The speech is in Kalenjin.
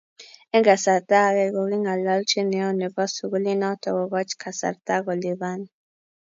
Eng kasarta age kokingalalchin neo nebo sukulinoto kokoch kasarta kolipan